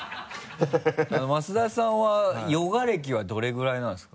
増田さんはヨガ歴はどれぐらいなんですか？